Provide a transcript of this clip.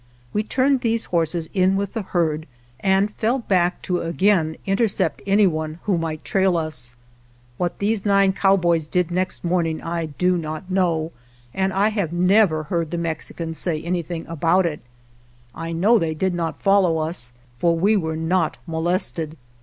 We turned these horses in with the herd and fell back to again intercept anyone who might 84 VARYING FORTUNES trail us. What these nine cowboys did next morning I do not know, and I have never heard the Mexicans say anything about it; I know they did not follow us, for we were not molested.